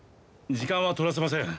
時間は取らせません。